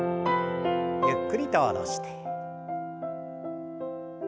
ゆっくりと下ろして。